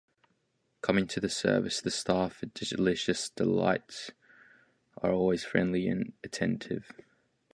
Coming to the service, the staff at "Delicious Delights" are always friendly and attentive.